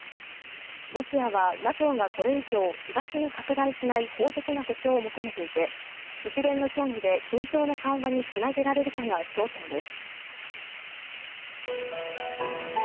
ロシアはＮＡＴＯがこれ以上、東に拡大しない法的な保証を求めていて一連の協議で緊張の緩和につなげられるかが焦点です。